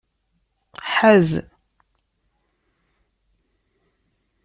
Ḥaz.